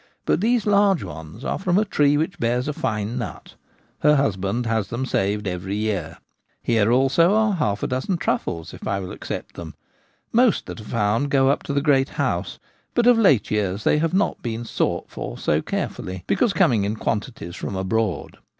But these large ones are from a tree which bears a fine nut : her husband has them saved every year. Here also are half a dozen truffles if I will accept them : most that are found go up to the great house ; but of late years they have not been sought for so carefully, because coming in quantities from abroad.